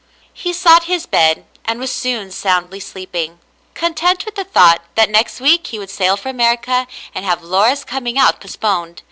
He sought his bed, and was soon soundly sleeping, content with the thought that next week he would sail for America and have Laura's coming out postponed.